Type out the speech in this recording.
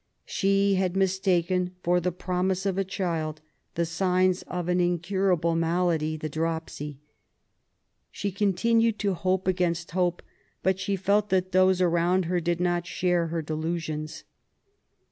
She had mistaken for the promise of a child the signs of an incurable malady, the dropsy. She continued to hope against hope, but felt that those around her did not share her delusions.